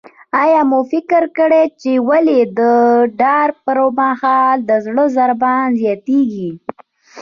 آیا مو فکر کړی چې ولې د ډار پر مهال د زړه ضربان زیاتیږي؟